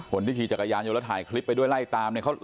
คนที่ทีจากอายานโยงแต่ถ่ายคลิปไปด้วยไล่ตามเนี่ย